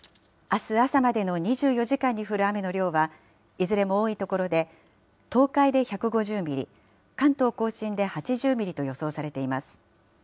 あす朝までの２４時間に降る雨の量は、いずれも多い所で、東海で１５０ミリ、関東甲信で８０ミリと予想されています。